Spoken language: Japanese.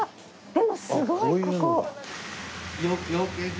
でもすごいここ。